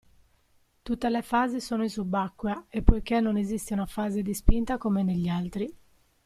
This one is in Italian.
Tutte le fasi sono in subacquea e poiché non esiste una fase di spinta come negli altri.